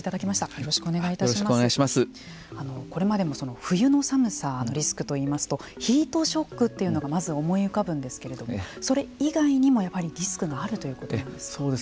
よろしくこれまで冬の寒さのリスクといいますとヒートショックというのがまず思い浮かぶんですけれどもそれ決めるにもリスクがあるということなんですか。